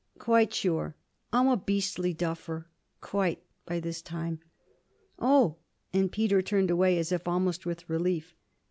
'Quite sure I'm a beastly duffer? Quite by this time.' 'Oh!' and Peter turned away as if almost with relief.